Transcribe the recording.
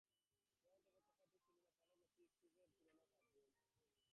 পয়েন্টের এ তফাতটি ছিল নেপালের জাতীয় স্কোরের তুলনায় সাত গুণ।